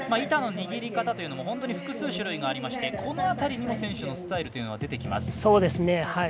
板の握り方というのも本当に複数、種類がありましてこの辺りにも選手のスタイルというのが出てきます。